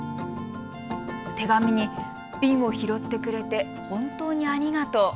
手紙に瓶を拾ってくれて本当にありがとう。